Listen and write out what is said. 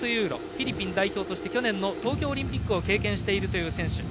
フィリピン代表として去年の東京オリンピックを経験しているという選手。